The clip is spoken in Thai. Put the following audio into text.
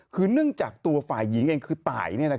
คือเนื่องจากตัวฝ่ายหญิงเองคือตาย